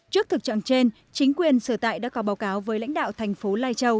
trước thực trạng trên chính quyền sở tại đã có báo cáo với lãnh đạo thành phố lai châu